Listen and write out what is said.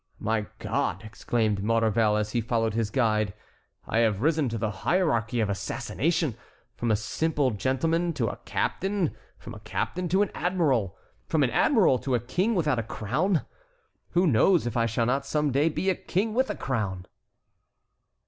"My God!" exclaimed Maurevel as he followed his guide, "I have risen to the hierarchy of assassination; from a simple gentleman to a captain, from a captain to an admiral, from an admiral to a king without a crown. Who knows if I shall not some day be a king with a crown!"